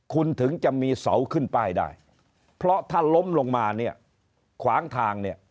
คุณถึงจะมีเสาขึ้นไปได้เพราะถ้าล้มลงมาควางทาง